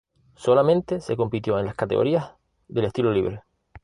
Solamente se compitió en las categorías del estilo libre.